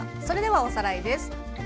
それではおさらいです。